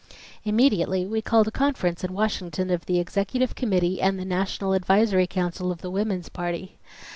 Immediately we called a conference in Washington of the Executive Committee and the National Advisory Council of the Woman's Party.